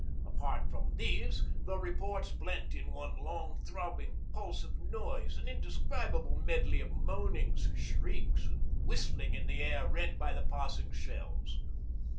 Apart from these, the reports blent in one long throbbing pulse of noise, an indescribable medley of moanings, shrieks, and whistling in the air rent by the passing shells.